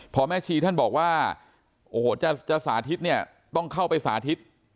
พอแม่ชีท่านบอกว่าโอ้โหจะสาธิตเนี่ยต้องเข้าไปสาธิต